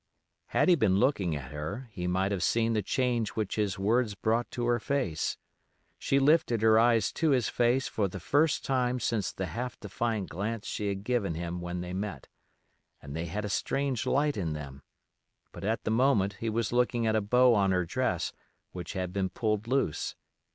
Had he been looking at her he might have seen the change which his words brought to her face; she lifted her eyes to his face for the first time since the half defiant glance she had given him when they met, and they had a strange light in them, but at the moment he was looking at a bow on her dress which had been pulled loose.